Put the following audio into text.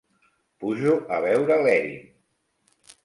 Pujo a veure l'Erin.